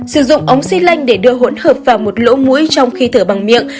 sử dụng ống xy lanh để đưa hỗn hợp vào một lỗ mũi trong khi thở bằng miệng